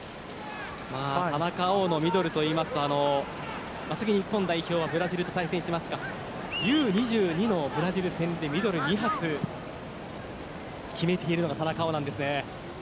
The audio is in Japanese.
田中碧のミドルというと次、日本代表はブラジルと対戦しますがＵ‐２２のブラジル戦でミドル２発、決めているのが田中碧なんですね。